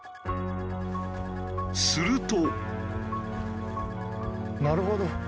すると。